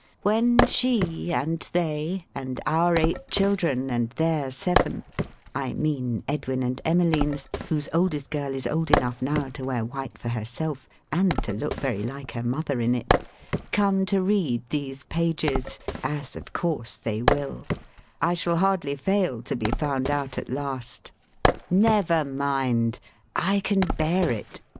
When she, and they, and our eight children and their seven I mean Edwin and Emmeline's, whose oldest girl is old enough now to wear white for herself, and to look very like her mother in it come to read these pages, as of course they will, I shall hardly fail to be found out at last. Never mind! I can bear it.